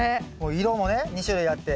色もね２種類あって。